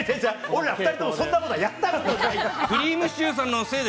俺ら、２人ともこんなことやったことない。